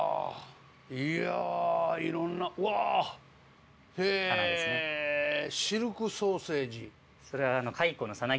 いやいろんなうわへえシルクソーセージ。